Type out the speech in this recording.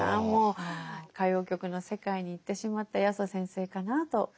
もう歌謡曲の世界に行ってしまった八十先生かなと。